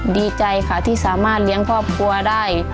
ดีใจค่ะที่สามารถเลี้ยงครอบครัวได้